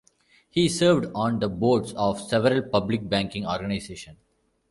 He served on the boards of several public banking organizations.